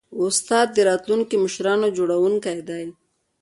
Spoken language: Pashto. استاد د راتلونکو مشرانو جوړوونکی دی.